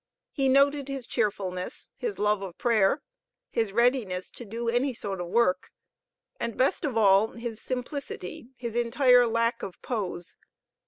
He noted his cheerfulness, his love of prayer, his readiness to do any sort of work, and best of all, his simplicity, his entire lack of pose.